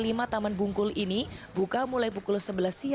juga sudah terletak selama setiap harian enam jam di mm adalah garang dua layar juga